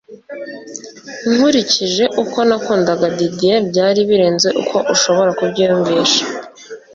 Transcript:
nkurikije uko nakundaga didie byari birenze uko ushobora kubyiyumvisha